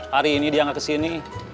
hari ini dia nggak kesini